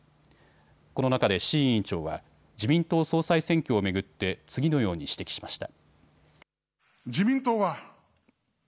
この中で志位委員長は自民党総裁選挙を巡って次のように指摘しました。